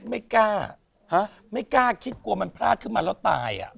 ไม่กล้าไม่กล้าคิดกลัวมันพลาดขึ้นมาแล้วตายอ่ะ